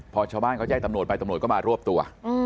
พอชาวบ้านเขาแย่ตำโหนดไปตำโหนดก็มารวบตัว